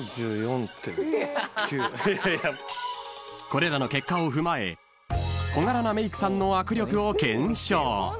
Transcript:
［これらの結果を踏まえ小柄なメイクさんの握力を検証］